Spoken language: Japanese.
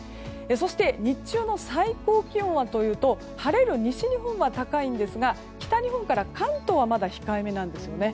そして、日中の最高気温は晴れる西日本は高いんですが北日本から関東はまだ控えめなんですよね。